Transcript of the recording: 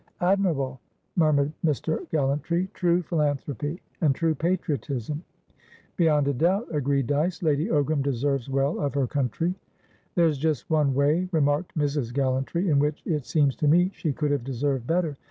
"Admirable!" murmured Mr. Gallantry. "True philanthropy, and true patriotism!" "Beyond a doubt," agreed Dyce. "Lady Ogram deserves well of her country." "There's just one way," remarked Mrs. Gallantry, "in which, it seems to me, she could have deserved better.